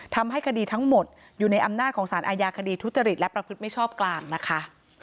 ทำให้คดีทั้งหมดอยู่ในอำนาจของสารอาญาคดีทุจริตและประพฤติไม่ชอบกลางนะคะ